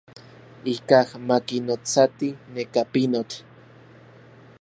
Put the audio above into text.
Ikaj ma kinotsati neka pinotl.